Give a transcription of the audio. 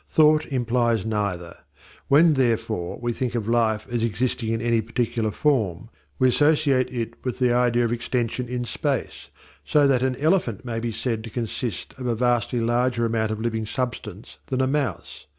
Thought implies neither. When, therefore, we think of Life as existing in any particular form we associate it with the idea of extension in space, so that an elephant may be said to consist of a vastly larger amount of living substance than a mouse.